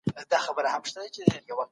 نوي علوم يو تر بل وروسته جلا سول.